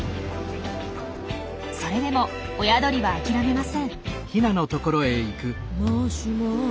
それでも親鳥は諦めません。